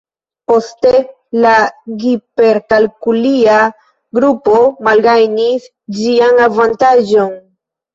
Poste la giperkalkulia grupo malgajnis ĝian avantaĝon.